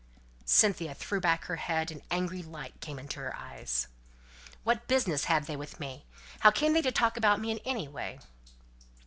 Cynthia threw back her head, and angry light came into her eyes. "What business have they with me? How came they to talk about me in any way?"